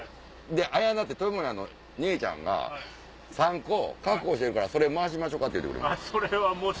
でアヤナってトモヤの姉ちゃんが３個確保してるからそれ回しましょか？って言うてくれてる。